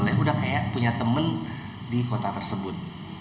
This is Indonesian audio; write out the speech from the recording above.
saya udah kayak punya temen di kota tersebut